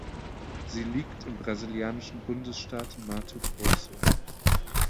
Sie liegt im brasilianischen Bundesstaat Mato Grosso.